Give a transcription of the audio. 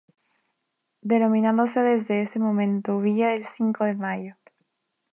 Denominándose desde ese momento Villa del Cinco de Mayo.